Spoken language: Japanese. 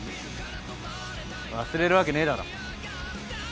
忘れるわけねえだろ。